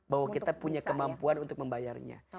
bahwa kita punya kemampuan untuk membayarnya